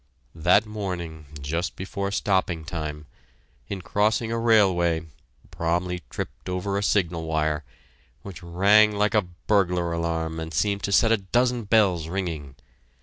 That morning, just before stopping time, in crossing a railway Bromley tripped over a signal wire, which rang like a burglar alarm and seemed to set a dozen bells ringing.